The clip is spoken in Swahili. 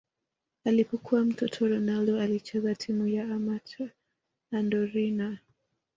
Alipokuwa mtoto Ronaldo alicheza timu ya amateur Andorinha